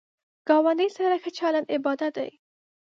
ګاونډی سره ښه چلند عبادت دی